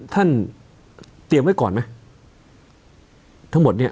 ท่านเตรียมไว้ก่อนไหมทั้งหมดเนี่ย